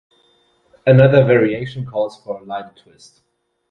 Another variation calls for a lime twist.